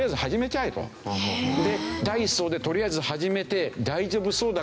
第１相でとりあえず始めて大丈夫そうだから